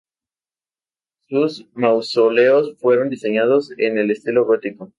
Sus mausoleos fueron diseñados en el estilo gótico.